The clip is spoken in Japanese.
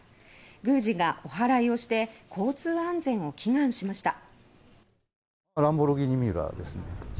宮司がおはらいをして交通安全を祈願しました。